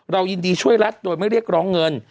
ยินดีช่วยรัฐโดยไม่เรียกร้องเงิน